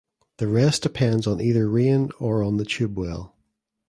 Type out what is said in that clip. The rest depends on either rain or on the tube well.